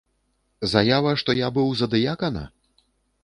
Заява, што я быў за дыякана?